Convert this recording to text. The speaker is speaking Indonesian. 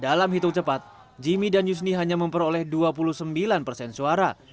dalam hitung cepat jimmy dan yusni hanya memperoleh dua puluh sembilan persen suara